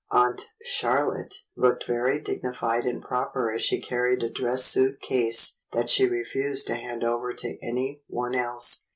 Aunt Char lotte looked very dignified and proper as she carried a dress suit case that she refused to hand over to any one else.